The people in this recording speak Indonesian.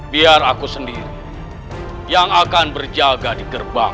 biar aku sendiri yang akan berjaga di gerbang